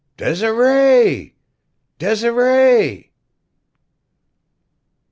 Desiree! Desiree!"